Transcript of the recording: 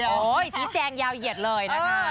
ชี้แจงยาวเหยียดเลยนะคะ